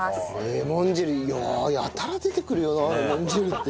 レモン汁やたら出てくるよなレモン汁って。